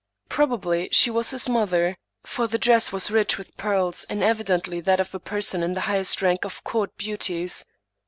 Probably she was his mother, for the dress was rich with pearls, and evidently that of a person in the highest rank of court beauties.